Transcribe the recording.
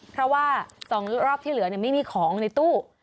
เพราะว่า๒รอบที่เหลือไม่มีของในตู้